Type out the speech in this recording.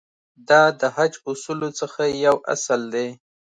دا د حج اصولو څخه یو اصل دی.